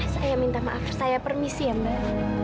saya minta maaf saya permisi ya mbak